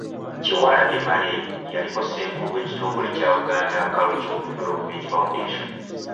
Kyewalabye Male yaliko Ssenkulu w'ekitongole kya Buganda Cultural Development Foundation.